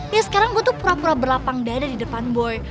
ya sekarang gua tuh pura pura berlapang dada di depan boy